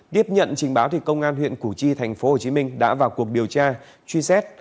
điếp nhận trình báo công an huyện củ chi thành phố hồ chí minh đã vào cuộc điều tra truy xét